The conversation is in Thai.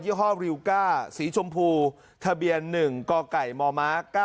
ี่ห้อริวก้าสีชมพูทะเบียน๑กไก่มม๙